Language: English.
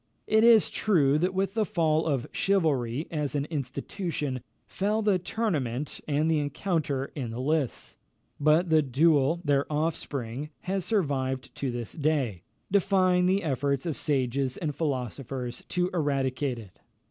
It is true that with the fall of chivalry, as an institution, fell the tournament and the encounter in the lists; but the duel, their offspring, has survived to this day, defying the efforts of sages and philosophers to eradicate it.